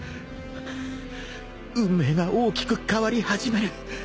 運命が大きく変わり始める。